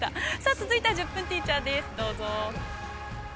続いては「１０分ティーチャー」です、どうぞ。